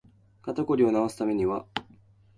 肩こりを治すためには